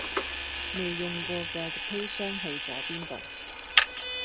未用過架嘅砒霜去咗邊度